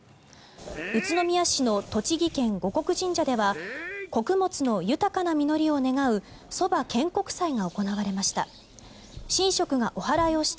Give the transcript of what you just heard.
宇都宮市の栃木県護国神社では穀物の豊かな実りを願うそば献穀祭が行われました。